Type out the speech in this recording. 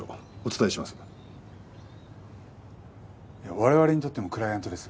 いや我々にとってもクライアントです。